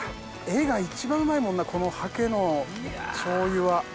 画が一番うまいもんなこのハケのしょう油は。